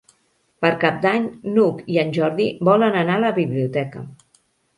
Per Cap d'Any n'Hug i en Jordi volen anar a la biblioteca.